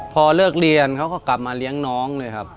พอเลิกเรียนเขาก็กลับมาเลี้ยงน้องเลยครับ